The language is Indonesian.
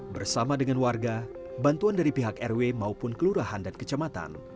bersama dengan warga bantuan dari pihak rw maupun kelurahan dan kecamatan